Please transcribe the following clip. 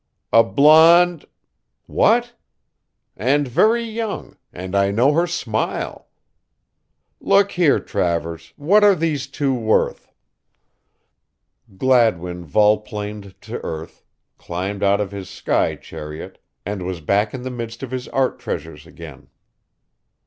"A blonde" "What?" "And very young, and I know her smile" "Look here, Travers, what are these two worth?" Gladwin volplaned to earth, climbed out of his sky chariot and was back in the midst of his art treasures again.